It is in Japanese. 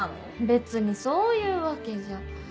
別にそういうわけじゃ。